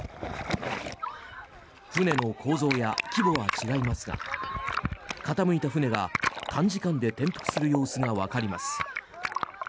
船の構造や規模は違いますが傾いた船が短時間で転覆する様子がわかります。